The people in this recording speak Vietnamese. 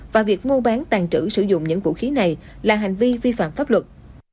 và việc mua bán tàn trữ sử dụng những vũ khí này là hành vi vi phạm pháp luật